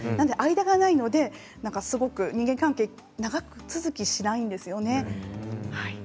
間がないので人間関係は長続きしないんですね。